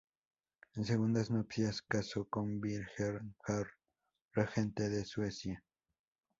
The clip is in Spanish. En segundas nupcias casó con Birger jarl, regente de Suecia.